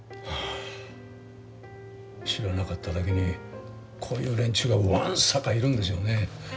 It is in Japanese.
知らなかっただけにこういう連中がわんさかいるんですよね。